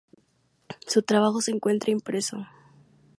Su trabajo se encuentra impreso.